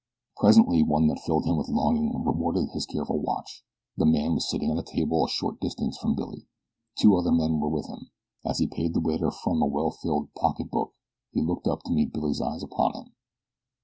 Presently one that filled him with longing rewarded his careful watch. The man was sitting at a table a short distance from Billy. Two other men were with him. As he paid the waiter from a well filled pocketbook he looked up to meet Billy's eyes upon him.